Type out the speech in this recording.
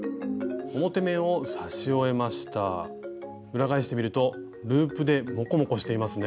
裏返してみるとループでモコモコしていますね。